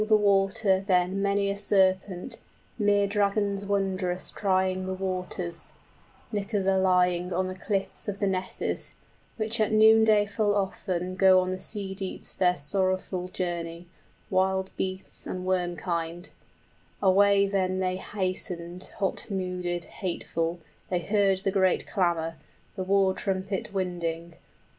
} Many a serpent, mere dragons wondrous Trying the waters, nickers a lying On the cliffs of the nesses, which at noonday full often 45 Go on the sea deeps their sorrowful journey, Wild beasts and wormkind; away then they hastened {One of them is killed by Beowulf.} Hot mooded, hateful, they heard the great clamor, The war trumpet winding.